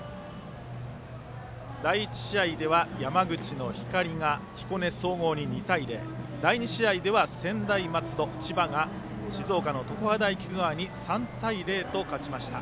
第１試合では山口の光が彦根総合に２対０第２試合では、専大松戸・千葉が静岡の常葉大菊川に３対０と勝ちました。